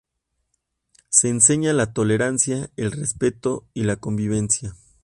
Se enseña la tolerancia, el respeto y la convivencia.